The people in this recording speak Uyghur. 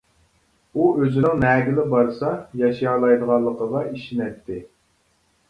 ئۇ ئۆزىنىڭ نەگىلا بارسا ياشىيالايدىغانلىقىغا ئىشىنەتتى.